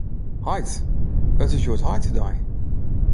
Heit! It is hjoed heitedei.